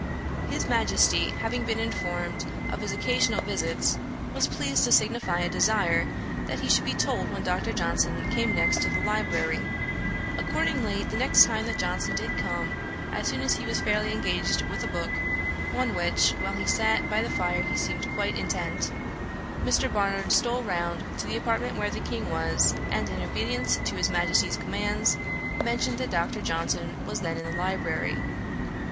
His Majesty having been informed of his occasional visits, was pleased to signify a desire that he should be told when Dr. Johnson came next to the library. Accordingly, the next time that Johnson did come, as soon as he was fairly engaged with a book, on which, while he sat by the fire, he seemed quite intent, Mr. Barnard stole round to the apartment where the King was, and, in obedience to his Majesty's commands, mentioned that Dr. Johnson was then in the library.